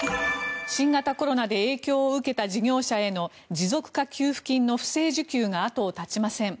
新型コロナで影響を受けた事業者への持続化給付金の不正受給が後を絶ちません。